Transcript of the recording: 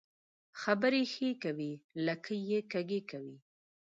خبري ښې کوې ، لکۍ يې کږۍ کوې.